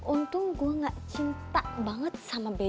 untung gue gak cinta banget sama bebe